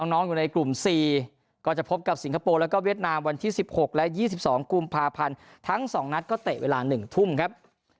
น้องอยู่ในกลุ่ม๔ก็จะพบกับสิงคโปร์แล้วก็เวียดนามวันที่๑๖และ๒๒กุมภาพันธ์ทั้ง๒นัดก็เตะเวลา๑ทุ่มครับ